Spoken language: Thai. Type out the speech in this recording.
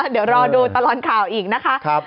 เดี๋ยวรอดูตลอดข่าวอีกนะคะ